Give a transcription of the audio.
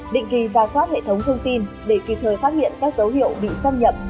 định kỳ ra soát hệ thống thông tin để kịp thời phát hiện các dấu hiệu bị xâm nhập